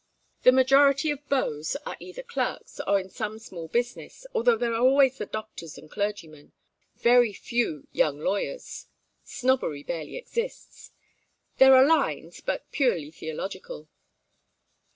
The majority of beaux are either clerks, or in some small business, although there are always the doctors and clergymen very few young lawyers. Snobbery barely exists. There are lines, but purely theological.